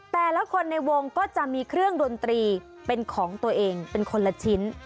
แต่ละคนในวงก็จะมีเครื่องดนตรีเป็นของตัวเองเป็นคนละชิ้น